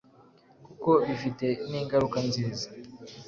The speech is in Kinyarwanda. kuko bifite n’ingaruka nziza